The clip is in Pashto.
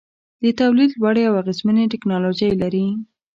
د تولید لوړې او اغیزمنې ټیکنالوجۍ لري.